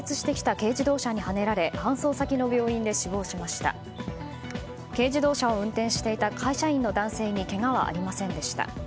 軽自動車を運転していた会社員の男性にけがはありませんでした。